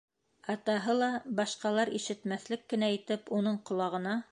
Атаһы ла, башҡалар ишетмәҫлек кенә итеп, уның ҡолағына: